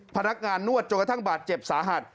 พนักงานนวดจนกระทั่งบาดเจ็บสาหัส